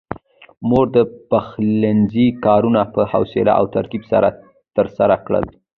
مور د پخلنځي کارونه په حوصله او ترتيب سره ترسره کړل.